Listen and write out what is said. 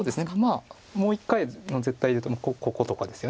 まあもう一回の絶対で言うとこことかですよね。